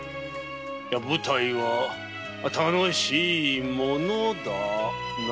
舞台は楽しいものだなあ。